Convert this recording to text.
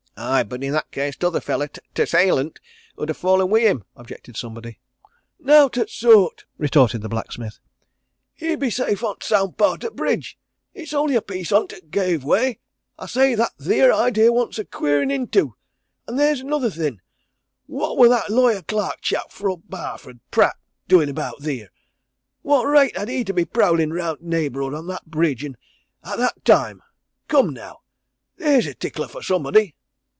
"Aye, but i' that case t' other feller t' assailant 'ud ha' fallen wi' him," objected somebody. "Nowt o' t' sort!" retorted the blacksmith. "He'd be safe on t' sound part o' t' bridge it's only a piece on 't that gave way. I say that theer idea wants in quirin' into. An' theer's another thing what wor that lawyer clerk chap fro' Barford Pratt doin' about theer? What reight had he to be prowlin' round t' neighbourhood o' that bridge, and at that time? Come, now! theer's a tickler for somebody."